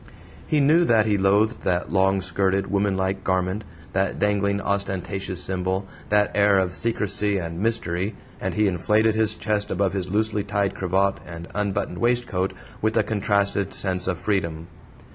He knew that he loathed that long skirted, womanlike garment, that dangling, ostentatious symbol, that air of secrecy and mystery, and he inflated his chest above his loosely tied cravat and unbuttoned waistcoat with a contrasted sense of freedom.